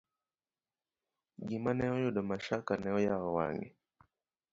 Gima ne oyudo Mashaka, ne oyawo wang'a.